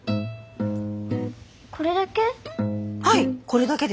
これだけ？